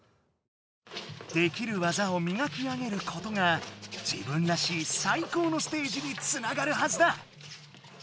できる技をみがき上げることが自分らしい最高のステージにつながるはずだ！